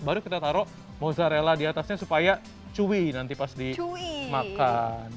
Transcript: baru kita taruh mozzarella di atasnya supaya cuwi nanti pas dimakan